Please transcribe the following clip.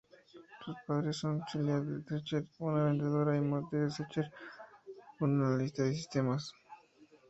Sus padres son Sylvia Drescher, una vendedora, y Morty Drescher, un analista de sistemas.